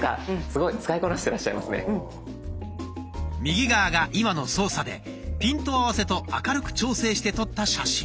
右側が今の操作でピント合わせと明るく調整して撮った写真。